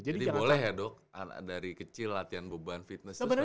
jadi boleh ya dok dari kecil latihan beban fitness itu sebenernya gak apa apa ya